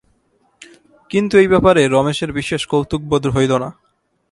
কিন্তু এই ব্যাপারে রমেশের বিশেষ কৌতুকবোধ হইল না।